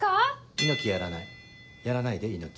猪木やらないやらないで猪木。